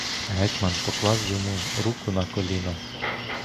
Гетьман поклав йому руку на коліно.